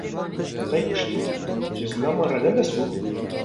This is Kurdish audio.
Qey kuştin, ji zaliman re ne bes bû